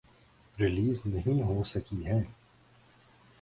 Release نہیں ہوسکی ہیں۔